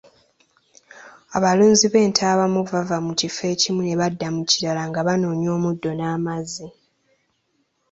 Abalunzi b'ente abamu bava mu kifo ekimu ne badda mu kirala nga banoonya omuddo n'amazzi.